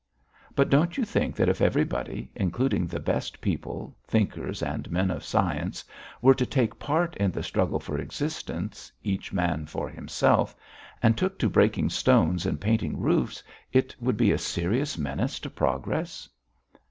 "But don't you think that if everybody, including the best people, thinkers and men of science, were to take part in the struggle for existence, each man for himself, and took to breaking stones and painting roofs, it would be a serious menace to progress?"